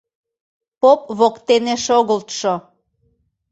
— Поп воктене шогылтшо.